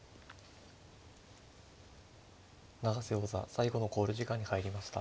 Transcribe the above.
永瀬王座最後の考慮時間に入りました。